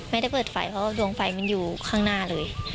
ไม่ได้เปิดไฟเพราะว่าดวงไฟมันอยู่ข้างหน้าเลย